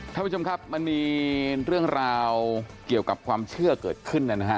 ท่านผู้ชมครับมันมีเรื่องราวเกี่ยวกับความเชื่อเกิดขึ้นนะฮะ